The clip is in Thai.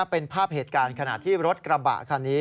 เป็นภาพเหตุการณ์ขณะที่รถกระบะคันนี้